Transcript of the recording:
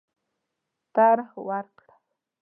طرح ورکړه.